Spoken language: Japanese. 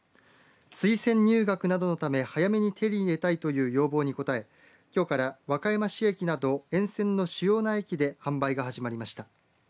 推薦入学などのため早めに手に入れたいという要望に応え、きょうから和歌山市駅など沿線の主要な駅で販売が始まりました。